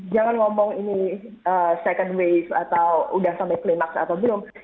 jangan ngomong ini second wave atau udah sampai klimaks atau belum